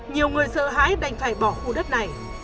nhiều người sợ hãi đành phải bỏ khu đất này